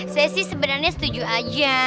saya sih sebenarnya setuju aja